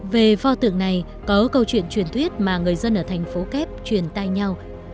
về pho tượng này có câu chuyện truyền thuyết mà người dân ở thành phố kép truyền tay nhau